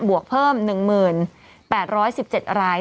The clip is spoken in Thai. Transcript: วกเพิ่ม๑๘๑๗ราย